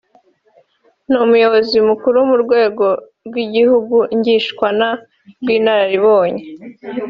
ni Umuyobozi Mukuru w’Urwego rw’Igihugu Ngishwana rw’Inararibonye